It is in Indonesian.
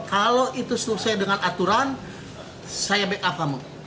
kalau itu selesai dengan aturan saya back up kamu